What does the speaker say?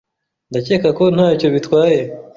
Ndakeka ko ntacyo bitwaye.